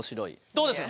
どうですか？